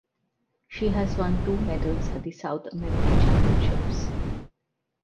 She has won two medals at the South American Championships.